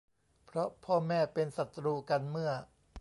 เพราะพ่อแม่เป็นศัตรูกันเมื่อ